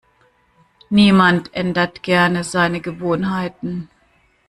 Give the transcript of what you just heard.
Niemand ändert gerne seine Gewohnheiten.